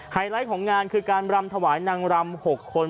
ไลท์ของงานคือการรำถวายนางรำ๖คน